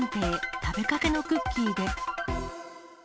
食べかけのクッキーで。